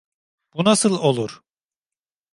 Bu nasıl olur?